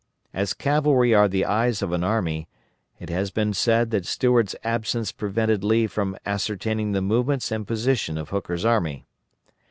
As cavalry are the eyes of an army, it has been said that Stuart's absence prevented Lee from ascertaining the movements and position of Hooker's army.